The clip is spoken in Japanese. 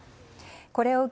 これを受け